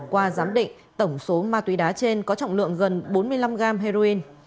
qua giám định tổng số ma túy đá trên có trọng lượng gần bốn mươi năm gram heroin